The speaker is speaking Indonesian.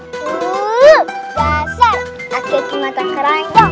akhirnya kita kerja